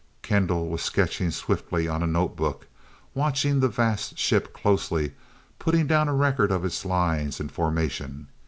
Kendall was sketching swiftly on a notebook, watching the vast ship closely, putting down a record of its lines, and formation.